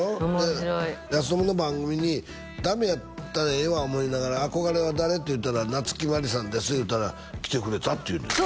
面白いやすともの番組にダメやったらええわ思いながら憧れは誰？って言ったら夏木マリさんです言うたら来てくれたって言うのよ